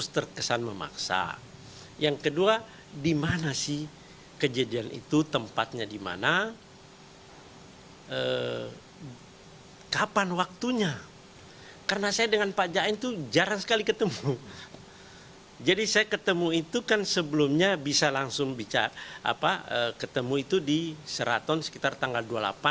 saya ketemu itu kan sebelumnya bisa langsung ketemu itu di sheraton sekitar tanggal dua puluh delapan dua puluh sembilan